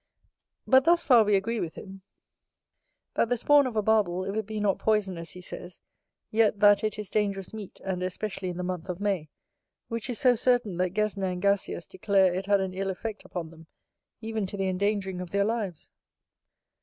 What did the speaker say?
But thus far we agree with him, that the spawn of a Barbel, if it be not poison, as he says, yet that it is dangerous meat, and especially in the month of May, which is so certain, that Gesner and Gasius declare it had an ill effect upon them, even to the endangering of their lives.